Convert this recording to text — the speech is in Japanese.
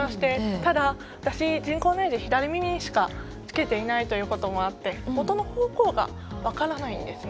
ただ、私は人工内耳を左耳にしかつけてないこともあって音の方向が分からないんですね。